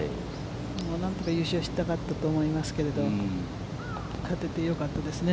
何とか優勝したかったと思いますけど、勝ててよかったですね。